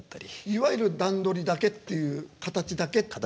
いわゆる段取りだけっていう形だけっていう。